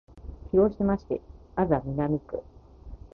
広島市安佐南区